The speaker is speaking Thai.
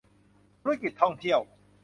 ธุรกิจท่องเที่ยว